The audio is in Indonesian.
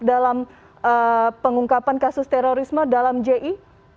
dalam pengungkapan kasus terorisme dalam ji